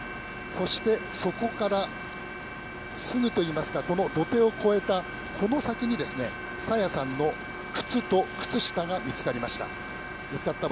そしてそこからすぐといいますかこの土手を越えた先に朝芽さんの靴と靴下が見つかりました。